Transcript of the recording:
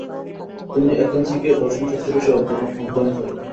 তিনি এথেন্সে গিয়ে দর্শন শাস্ত্র বিষয়ে অধ্যয়ন করেন।